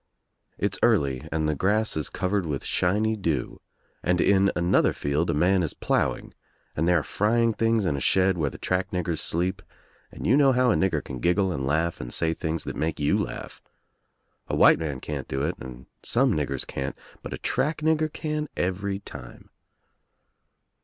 It's early and the grass is covered with shiny dew and in another field a man is plowing and they are frying things in a shed where the track niggers sleep, and you know how a nigger can giggle and laugh and say things that make you laugh. A white man can't do it and some niggers can't but a track nigger can every time.